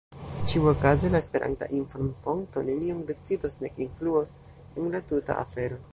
Ĉiuokaze, la Esperanta inform-fonto nenion decidos nek influos en la tuta afero.